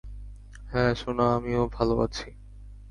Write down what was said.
হ্যাঁ সোনা, আমিও ভালো আছি।